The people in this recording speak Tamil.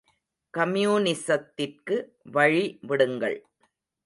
கம்யூனிஸத்திற்கு வழி விடுங்கள்.